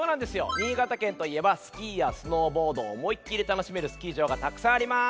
新潟県といえばスキーやスノーボードをおもいっきりたのしめるスキー場がたくさんあります。